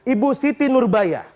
ibu siti nurbaya